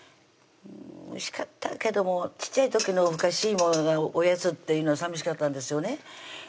うんおいしかったけども小っちゃい時のふかし芋がおやつっていうのはさみしかったんですよね